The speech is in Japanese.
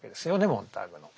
モンターグの。